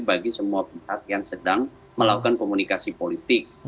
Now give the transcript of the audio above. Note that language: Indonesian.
bagi semua pihak yang sedang melakukan komunikasi politik